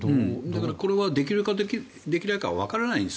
これはできるかできないかはわからないんです。